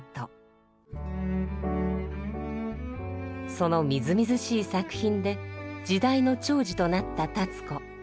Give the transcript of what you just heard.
そのみずみずしい作品で時代の寵児となった立子。